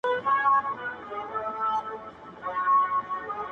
پلار یې راوستئ عسکرو سم په منډه.